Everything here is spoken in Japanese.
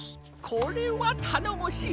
これはたのもしい！